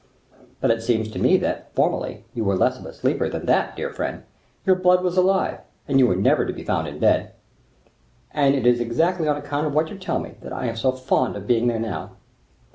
"But it seems to me that, formerly, you were less of a sleeper than that, dear friend; your blood was alive, and you were never to be found in bed." "And it is exactly on account of what you tell me, that I am so fond of being there now."